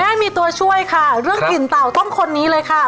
แม่มีตัวช่วยค่ะเรื่องกลิ่นเต่าต้มคนนี้เลยค่ะ